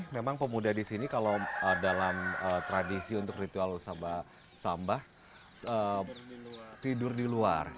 memang pemuda di sini kalau dalam tradisi untuk ritual sambah tidur di luar